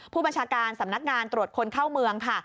ผู้บัญชาการสำนักงานตรวจคนเข้าเมืองค่ะ